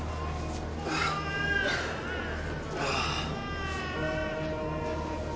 ああ